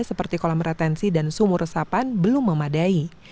seperti kolam retensi dan sumur resapan belum memadai